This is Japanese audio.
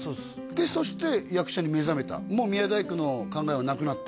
でそして役者に目覚めたもう宮大工の考えはなくなった？